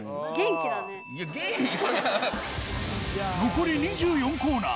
残り２４コーナー！